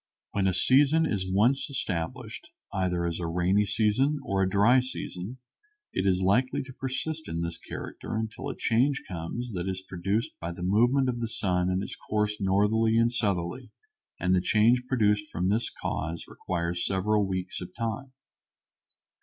When a season is once established, either as a rainy season or a dry season, it is likely to persist in this character until a change comes that is produced by the movement of the sun in its course northerly and southerly, and the change produced from this cause requires several weeks of time.